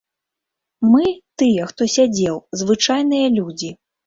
Мы, тыя, хто сядзеў, звычайныя людзі.